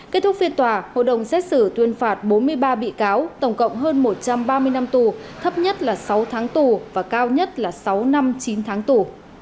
kết thúc phiên tòa hội đồng xét xử tuyên phạt bốn mươi ba bị cáo tổng cộng hơn một trăm ba mươi năm tù thấp nhất là sáu tháng tù và cao nhất là sáu năm chín tháng tù